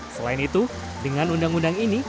selain itu dengan undang undang ini